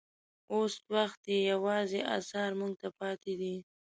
اوس وخت یې یوازې اثار موږ ته پاتې دي.